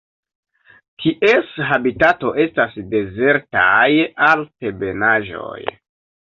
Ties habitato estas dezertaj altebenaĵoj.